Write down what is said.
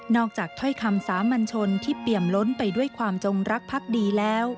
อกจากถ้อยคำสามัญชนที่เปี่ยมล้นไปด้วยความจงรักพักดีแล้ว